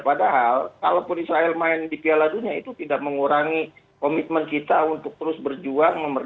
padahal kalaupun israel main di piala dunia itu tidak mengurangi komitmen kita untuk terus berjuang